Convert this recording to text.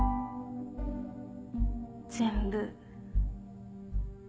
全部。